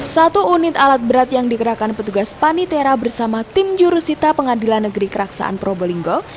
satu unit alat berat yang dikerahkan petugas panitera bersama tim jurusita pengadilan negeri keraksaan probolinggo